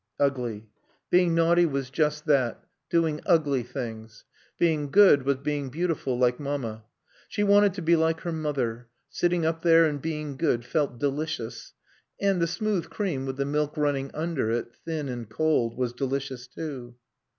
Ugly. Being naughty was just that. Doing ugly things. Being good was being beautiful like Mamma. She wanted to be like her mother. Sitting up there and being good felt delicious. And the smooth cream with the milk running under it, thin and cold, was delicious too.